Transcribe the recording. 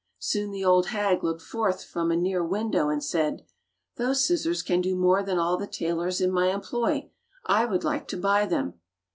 Soon the old hag looked forth from a near window, and said: "Those scissors can do more than all the tailors in my employ. I would like to buy them."